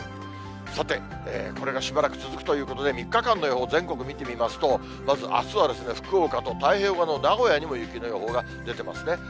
さて、これがしばらく続くということで、３日間の予報、全国見てみますと、まずあすは、福岡と太平洋側の名古屋にも雪の予報が出てますね。